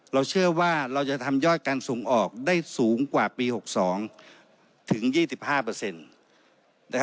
เราเชื่อว่าเราจะทำยอดการส่งออกได้สูงกว่าปี๖๒ถึง๒๕